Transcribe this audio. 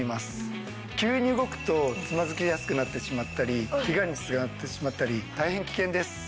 急に動くとつまずきやすくなってしまったりケガに繋がってしまったり大変危険です。